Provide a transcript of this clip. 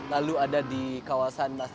lalu ada di kawasan puncak pas